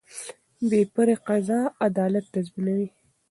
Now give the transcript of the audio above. بې پرې قضا عدالت تضمینوي